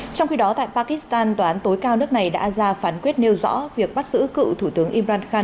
trong khi đó tại pakistan tòa án tối cao nước này đã ra phán quyết nêu rõ việc bắt giữ cựu thủ tướng imran kha